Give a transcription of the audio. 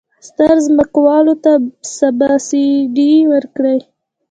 ستر ځمکوالو ته سبسایډي ورکړي.